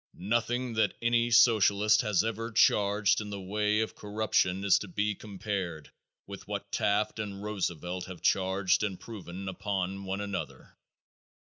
Nothing that any Socialist has ever charged in the way of corruption is to be compared with what Taft and Roosevelt have charged and proven upon one another.